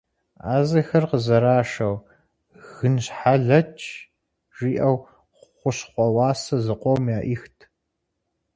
Ӏэзэхэр къызэрашэу «гынщхьэлъэкӏ» жиӏэу хущхъуэ уасэ зыкъом яӏихт.